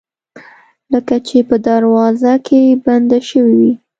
لکه چې په دروازه کې بنده شوې وي